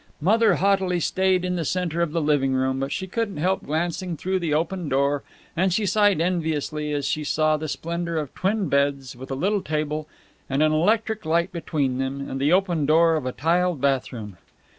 Mother haughtily stayed in the center of the living room, but she couldn't help glancing through the open door, and she sighed enviously as she saw the splendor of twin beds, with a little table and an electric light between them, and the open door of a tiled bathroom.